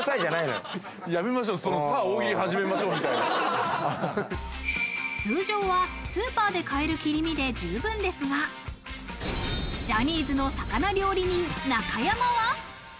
やめましょう、その、さぁ大通常はスーパーで買える切り身で十分ですが、ジャニーズの魚料理人・中山は。